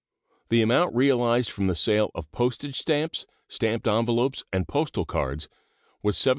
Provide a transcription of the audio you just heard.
The amount realized from the sale of postage stamps, stamped envelopes, and postal cards was $764,465.